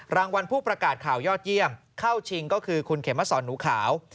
รางวัลผู้ประกาศข่าวยอดเยี่ยมเข้าชิงก็คือคุณเขมสอนหนูขาว